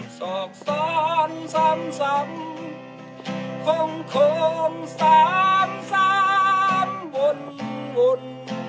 ศอกซ้อนซ้ำซ้ำคงคงซ้ำซ้ำวนวน